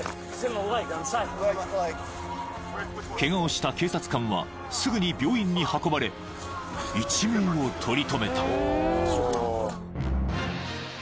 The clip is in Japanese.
［ケガをした警察官はすぐに病院に運ばれ一命を取り留めた］